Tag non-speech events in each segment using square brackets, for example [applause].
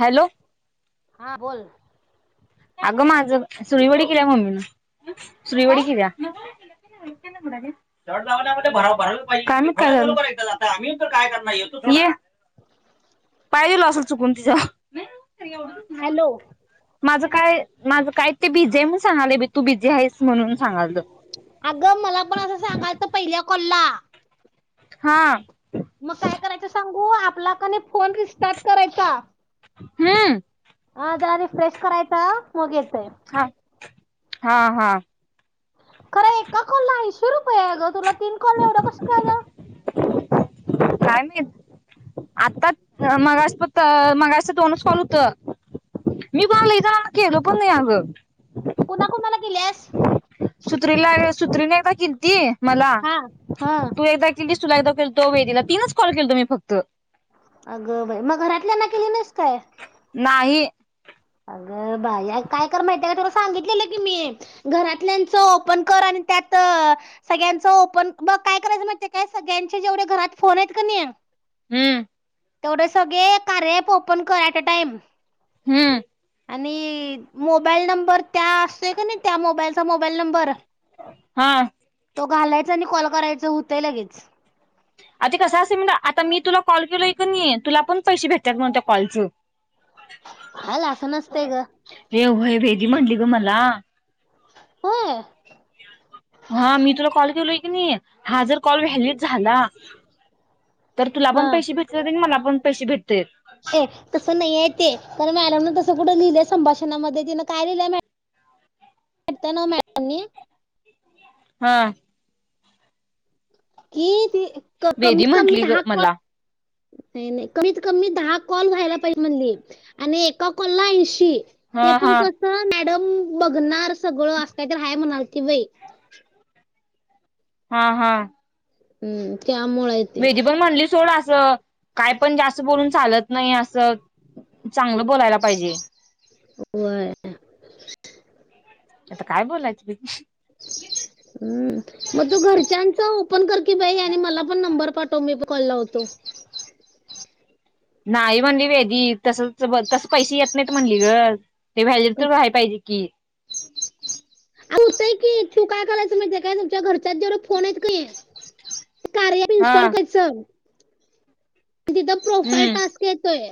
Hello, हा बोल ना. अगं माझं, सुळीवडी केल्या मम्मीन. काय सुळीवडी केलिया. [unintelligible] [unintelligible] पाय दिला असल चुकून तिच्यावर. हॅलो माझ काय माझं काय ते बीजी म्हणूण सांगलय बाई. तू बिझी आहेस म्हणून सांगालत अगं मला पण असं सांगालत पहिल्या कॉल ला. हा. मग काय करायचं सांगू आपला का नाही फोन रिस्टार्ट करायचा. हम्म. हा आता रीफ्रेश करायचा मग येतंय. हा हा हा. खरं एका कॉलला ऐंशीे रुपये आहे ग तुला तीन कॉल एवढा कस काय आला. काय माहीत. आता मगासप्त मगास्चेन दोनच कॉल होत. मी कोणला लय जणांना केलं पण नाही अगं. कुणा कुणाला केल्यास. सुत्रीला सुत्रीने एकदा केलती मला, हा हा तू एकदा तुला एकदा केलतो वेदिला तीनच केलतो मी फक्त. अगं बाई मग घरातल्याना केली नाईस काय? नांही. अगं बाई काय कर माहिती आहे काय तुला सांगितलेलं की मी. घरातल्यांचं ओपन कर आणि त्यात. सगळ्यांचं ओपन बघ काय करायचं माहित आहे काय सगळ्यांचे जेवढे घरात फोन आहेत का नी? हम्म. तेवढं सगळे कार्या अॅप ओपन कर ॲट अ टाइम. हुम्म. आणि मोबाईल नंबर त्या असतोय का नाही त्या मोबाईलचा मोबाईल नंबर. हा. तो घालायचा आणि कॉल करायचं होतंय लगेच. आता कसं असेल म्हलं आता मी तुला कॉल केलोय का नाही तुला पण पैसे भेटतात पण त्या कॉलचं. हल असा नसतेय ग. ए व्हय वेदी म्हणली ग मला. हो. ह मी तुला कॉल केलोय की नाही हा जर कॉल व्हॅलिड झाला! तर तुला पण हा पैसे भेटतात आणि मला पण पैसे भेटते. ये. तसं नाहीय ते तर मॅडम तसं कुठं लिहिलंय संभाषणामध्ये तिंन काय लिहिय [unintelligible] ना मॅडम ह कि ती वेदी कमीत कमी म्हंटली ग दहा कॉल मला [unintelligible] नाई नाई कमीत कमी दहा कॉल व्हायला पाहिजे म्हणली. आणि एका काॅलला ऐंशी. हा ते पण हा कस मॅडम बघणार सगळं असं काय तरी हाय म्हणालती बाई. ह ह. हम् त्यामुळे. ते वेदी पण म्हणली सोड असं काय पण जास्त बोलून चालत नाही असं. चांगलं बोलायला पाहिजे. होय. आता काय बोलायचं बाई? [inaudible] हम् मग तू घरच्यांचा ओपन कर की बाई आणि मला पण नंबर पाठव मी बी कॉल लावतो. नाही म्हणली वेदी तसंच तस पैसे येत नाही म्हणली ग. ते अ, व्हॅलिड व्हाय पाहिजे की! अगं होतय की तू काय करायच माहीत आहे काय तुमच्या घरच्यात जेवढे फोन आहेत कणी? कार्य ॲप हा इनस्टॉल करायचं मंग तिथं प्रोफाईल हम्म टास्क येतोय.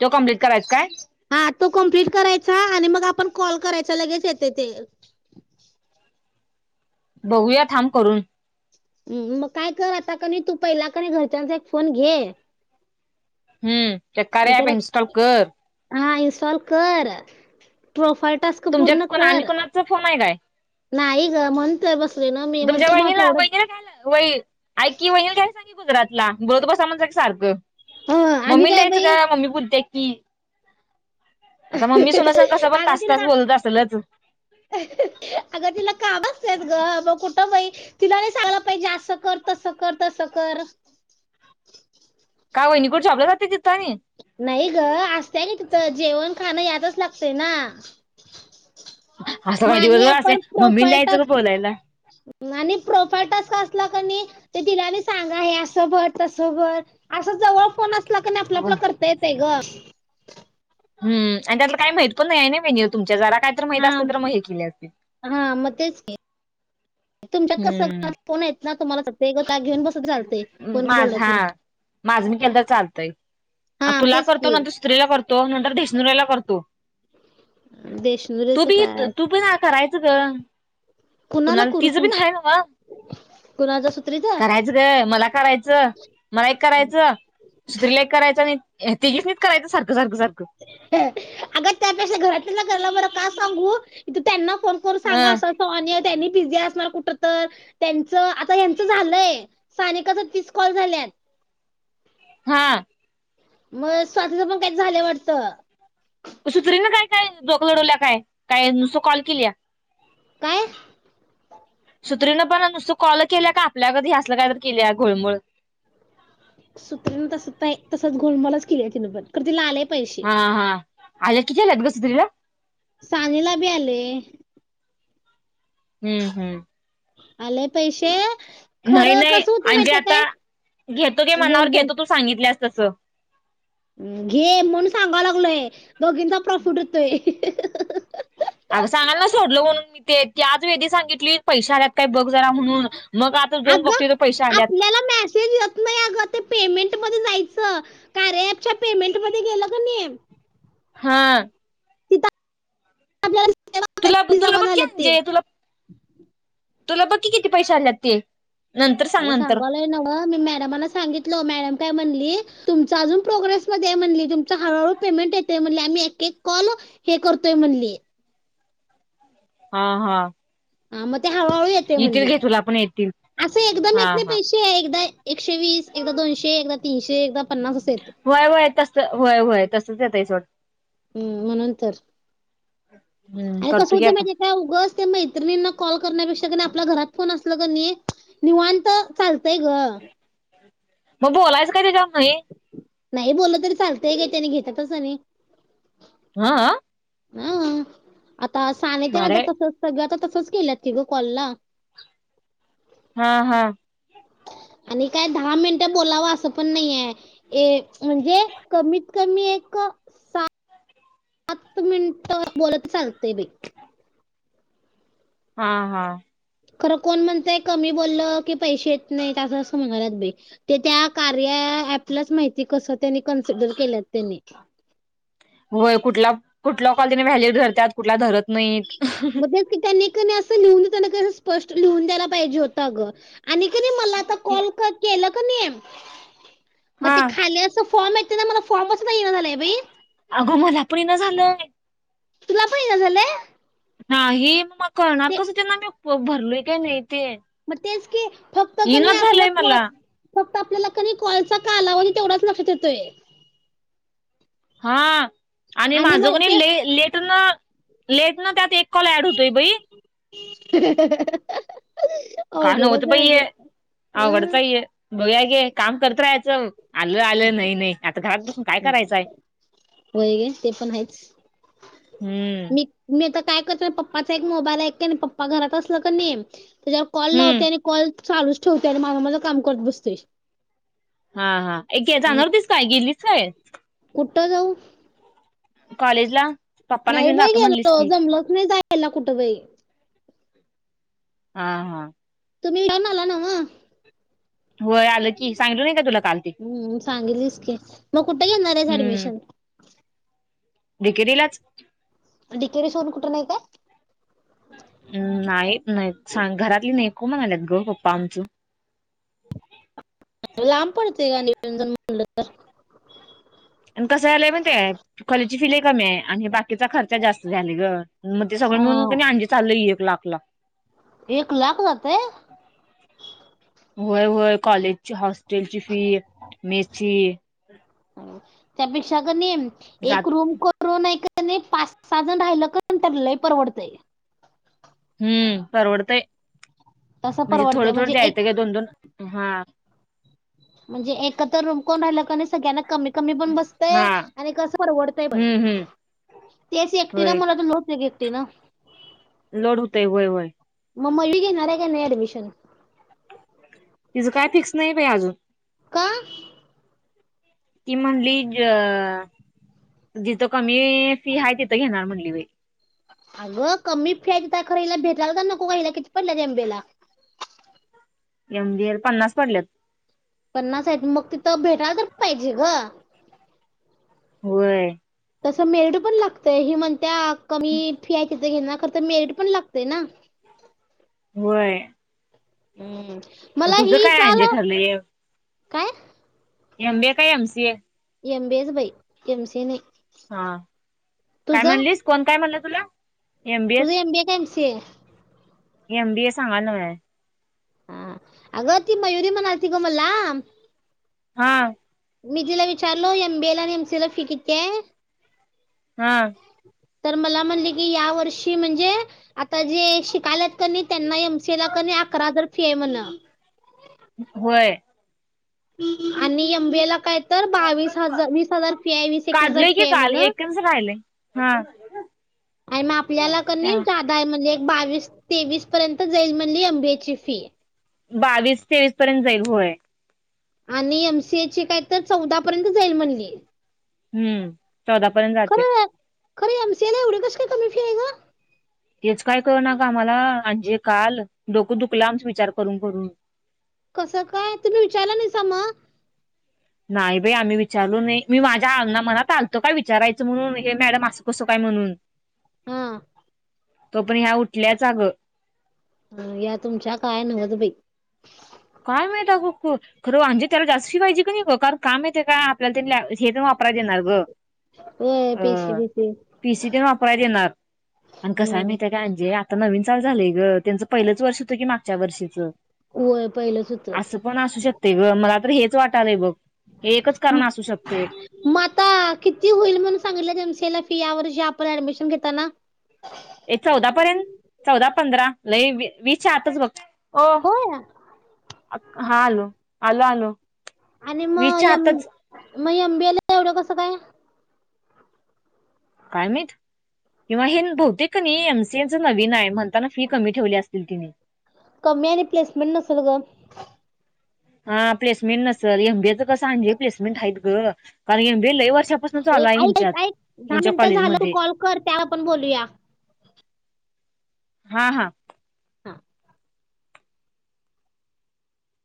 तो कम्प्लीट करायचा काय आ तो कम्प्लीट करायचा आणि मग आपण कॉल करायचा लगेच येते ते बघूया थांब करून ह मग काय कर आता कणी तू पहिला क घरच्यांचा एक फोन घे हम् ते कार्य ॲप इनस्टॉल कर ह इनस्टॉल कर प्रोफाईल टास्क तुमच्यात पूर्ण को आणि कर कोणाचा फोन आहे काय नाही ग म्हणतोय बसले ना मी तुमच्या म्हणतर मग वहिनीला तेवढंच वैगैरला व ऐ की वहिल घ्याय सांगे गुजरातला बोलतो ब स म्हण क सारखं हो आणि मम्मी काय द्यायचं बाई का मम्मी बोलते कि आता मम्मी सुना सग कसं पण अगं तास तिला तास बोलत असेलच अगं तिला का बसतेस ग म कुठंबई तिला नाही सांगलं पाहिजे असं कर तसं कर तसं कर काय वहिणीकड छाब जात तिथं नाही नाही ग असतय क तिथं जेवण खाणं यातच लागतय ना असं काय दिवसभर असे मानयाण मम्मीला द्यायचं फोफलतात ग बोलायला आणि प्रॉपर टच क असला क नाही ते तिलानी सांगा हे असं भर तसं भर असं जवळ फोन असला क नाही आपलं आपला करता येतय ग हम् आणि त्यात काही माहित पण नाही आहे ना मेन्यू तुमच्या जरा काही तर माहित हा असतील तर मग हे केले असतील हा मग तेच तुमच्यात कस हम्म फोन आहेत ना तुम्हाला स गता घेऊन बघ माझ हा माझ मी केलं तर चालतंय हा तुला तेच करतो की ना तु त्रीना करतो नंतर धीसनुरेला करतो तू देशनुरेचं बी एत काय तू पण ह करायच ग कुणाला करू तिचं बी सांग आहे ना व कुणाचा सुत्रीचा करायचं हे मला करायचं मला एक करायचं स्त्रीलेक करायच नाही तीघीसनी करायचं सारखं सारखं सारखं अग त्यापेक्षा घरात घराला बर का सांगू तू त्यांना फोन कर करून सांगा अ असं सन त्यांनी पीझी असणार कुठ तर त्यांच आता हचं झालंय स्थनिककाचा तीस कॉल झाले हा मग स्वतःच पण काही झालं वाटतं तरी ना काय काय जो लढवल्या काय काय नुसतं कॉल केली काय सुत्रीनं पण नुसतं कॉल केल्या का आपल्या कधी असलं काय तर केल्याय घोळमळ सुत्रीन तस तसच घोोलमलच केलीय तिनं पण तर तिला आले पैसे हा हा आज कितीलात गसुतला सानेला बी आले हम्म हम्म आलेय पैसे नाही खरं नाही कस होते म्हणजे माहिजे आता काय घेतो की बोल मनावर बोल घेतो तू सांगितल्यास तसं घे म्हणून सांगाव लागलय दोघींचा प्रॉफिट होतोय अग सांगाय ना सोडललं म्हणून मी ते त्या आज वेधी सांगितली पैशा काही बघ जरा म्हणून मग आता दोन बाघती पैसे आल्यात चेंज येत नाही अगं ते पेमेंट मध्ये जायचं कार पच्या पेमेंट मध्ये गेलं का ने हा तुला हल्ली तुला जमा बघकी झालेत ते आणजे तुला तुला बक्की किती पैसे आणले ते नंतर अग सांग नंतर. सांगालंय न मी मॅडमला सांगितलं मॅडम काय म्हणली तुम अजून प्रोग्रेसमध्येध्ये म्हणली तुमचा हळूहळू पेमेंट येतेय म्हणली आम्ही एक कॉल हे करतोय म्हणली हा हा हा मग ते हळूहळू येते येतील म्हणली घे तुला पण येतील. असं एकदम हा येत नाही हा पैसे. एकदा एकशे वीस, एकदा दोनशे, एकदा तीनशे, एकदा पन्नास असे येते. होय, होय तस होय, होय तसंच येतय सोड. हम्म म्हणून तर हम्म आणि कस करतो की होत आता म्हणजे काय उगच ते मैत्रिणा कॉल करण्यापेक्षा आपल्या घरात फोन असला की नाय निवांत चालतंयग. मग बोलायचं काय [unintelligible] तेच्यामुळे नाही बोललं तरी चालतय काही त्यांनी घेतातच नाय. हा.. हा आता सांगितल ना भारी आता हाय तसच सगळं आता तसच गेल्यात की ग कॉलला. हा, हा. आणि काय दहा मिनिटं बोलावं असं पण नाहीये. ए म्हणजे कमीत, कमी एक सात मिनिटं बोलत चालते बाई. हा, हा. खरं कोण म्हणतय कमी बोललं की पैसे येत नाही त्या असं, असं म्हणाला बाई. ते त्या कार्य कार्य ऍपला माहिती कस त्यांनी कन्सिडर केलं त्यांनी. होय कुठला, कुठला कॉल व्हॅल्यू धरतात कुठला धरत नाहीत. मग तेच की त्यांनी का नाय असं लिहून द्यायला की अस स्पष्ट लिहून द्यायला पाहिजे होतं ग. आणि की नाही मला आता कॉल केलाकी नाही मग हा ते खाली अस फॉर्म त्याचा मला फॉर्म न येईना झालंय बाई. अगं मला पण येइना झालंय. तुला पण येईना झालेय? हे ना मग कळणार कसं त्यांना मी भरलोय का नाही ते? म तेच की फक्त का येईनाच नाय आपलं झालंय काॅल मला फक्त आपल्याला की नाय कॉलचा कालाव तेवढाच लक्षात येतोय. हा आणि माझंका मग नाय ले ते लेट ना लेट ना त्यात एक कॉल ऍड होतोय बाई. ह. काण होतं बाईये आघडच हाये बघया की काम करत राहाचं. आलं, आलं, नाही, नाही आता घरात बसून काय करायचंय? होय गे ते पण आहेच हम्म. मी मी आता काय करतो. पप्पाचा एक मोबाईल आहे का नाय पप्पा घरात असल की नाय त्याच्यावर कॉल हम्म लावते आणि कॉल चालूच ठेवते आणि माझ, माझ काम करत बसतोय. हा, हा एक घे जाणार होतीस काय गेलीस काय? कुठं जाऊ? कॉलेजला. पप्पांना नाही घेऊन बाई जातो गेलो म्हणलीस की जमलंच नाही जायायला कुठं बाही. हा, हा. तुम्ही जाऊन आला नव्ह? होय आलं कि सांगल नाही का तुला काल ते? हम्म, सांगितलीस की मग कुठं घेणार आहेस हम्म. ऍडमिशन दिकरिलाच. दिकेरी सोबत कुठं नेत हाय? नाही, नाही घरातली नको म्हणालात ग पप्पा आमचं. लांब पडते का नाय येऊन, जाऊन म्हणलं तर. आणि कसं झालंय माहिती आहेते कॅलेजची फि लय कमी आहे आणि हे बाकीचा खर्च जास्त झाला ग. मग ते सगळं अं, मिळून अंजी चाललंय एक लाखला. एक लाख जातय? होय, होय कॉलेजची, हॉस्टेलची फी, मेस ची त्यापेक्षा का नाय एक जात रूम करु करु का नाय पाच, सहा जण राहिलं का नंतर लय परवडतय. हम्म परवडतंय तसं म्हणजे थोडं परवडतंय थोडं द्याय एक येतंय ग दोन दोन हा म्हणजे एकत्र रूम कोण राहिलं का नाही सगळ्यांना कमी कमी पण हा बसतय आणि कसं परवडतंय पण. हम्म हम्म तेच एकटीला होय मला तर लोड होतोय ग एकटीन. लोड होतय वय वय मग मली घेणारय का नाही अऍडमिशन? तिज काय फिक्स नाही बाई अजून. का? ती म्हणली जिथं कमी फी हाय तिथं घेणार म्हणली बाई. अगं कमी फि हाय तिथं खर हिला भेटायला तर नको का किती पडल्यात एम बी ए ला? एमबीए ला पन्नास पडल्यात. पन्नास आहेत मग तिथं भेटायला तर पाहिजे ग. होय. तसं मेरिट पण लागतय ही म्हणत्या कमी फि हाय तिथं घेणार खर तर मेरिट पण लागतय ना? व्हय. हम् मला हि काय काल अंजे ठरलंय काय? एम बी ए का M C A? M B H बाई एम सी ए नाही. हा काय तुझं म्हणलीस कोण काय म्हणलं तुला? तुझं एम बी ए का M C A? M B A सांगाय नवे. हा अग ती मयुरी मनालती ग मला हा. मी तिला विचारलो एम बी एला आणि एम सीए ला फि कितीये हा. तर मला म्हणली की या वर्षी म्हणजे आता जे शिकायलेत कनी त्यांना एमसीए ला कनी अकरा हजार फी आहे म्हण. होय. आणि एमबीएला काय तर बावीस हजार वीस हजार फी आहे वीस एकवीस हजार काढलय फी की आहे काल म्हण. एकच राहिलय हा आणि मग आपल्याला क नी काय म्हणली एक बावीस तेवीस पर्यंत जाईल म्हणली एमबीएची फी बावीस तेवीस पर्यंत जाईल होय. आणि एमसीएची काय तर चौदा पर्यंत जाईल म्हणली. हम्म चौदा पर्यंत जात्या. खर एमसीए ला एवढं कस काय कमी फी आहे गं? तेच काय कळेना ग आम्हाला आणजे काल डोकं दुखलं आमचा विचार करून करून. कसं काय तुम्ही विचारलं नाहीसा म? नाही बाई आम्ही विचारलू नाही मी माझ्या अना मनात आलतो काय विचारायचं म्हणून हे मॅडम असं कसं काय म्हणून हा. तोपर्यंत ह्या उठल्याच अगं. ह या तुमच्या काय न्हवच बाई काय माहित आग कु खरं अंजे त्याला जास्त पाहिजे का नाही ग कारण का माहिती का आपल्याला ते हे ते वापराय देणार ग. होय अ पैसे बिसे पि सी ते वापराय देणार आणि कस आहे हम्म माहिते का अंजे आता नवीन चालू झालंय ग त्यांचं पहिलंच वर्ष होतं की मागच्या वर्षीच होय पहिलंच् हू असं पण असू शकते ग मला तर हेच वाटालय बघ हे एकच कारण असू शकते. मग आता किती होईल म्हणून सांगितलं एमसीए ला फी या वर्षी आपण ऍडमिशन घेताना? चौदा पर्यंत चौदा पंधरा लइ वीसच्या आतच बघ. हो होय. हा आलो आलो आलो. आणि मग वीसच्या यम आतच मग यंबिला एवढं कसं काय? काय माहित किंवा हे बहुतेक का नाही एम सी एच नवीन आहे म्हणताना फी कमी ठेवली असतील तिने कमी आणि प्लेसमेंट नसेल ग. हा प्लेसमेंट नसेल एमबीए चं कसं आणजे प्लेसमेंट आहेत ग, कारण एम बी ए लइ वर्ष ऐकऐक ऐक दहा मिनटं झाल्यावर कॉलेजमध्ये कॉल कर त्या आपण बोलूया. हा हा हा